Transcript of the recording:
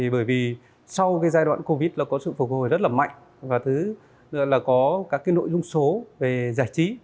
bởi vì sau giai đoạn covid là có sự phục hồi rất là mạnh và có các nội dung số về giải trí